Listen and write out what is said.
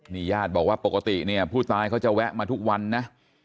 นี่ญาติบอกว่าปกติเนี่ยผู้ตายเขาจะแวะมาทุกวันนะ